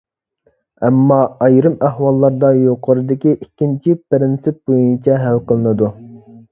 ئەمما، ئايرىم ئەھۋاللاردا يۇقىرىدىكى ئىككىنچى پىرىنسىپ بويىچە ھەل قىلىنىدۇ.